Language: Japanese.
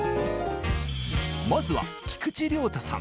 まずは菊池亮太さん。